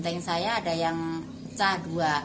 lihat genteng saya ada yang cah dua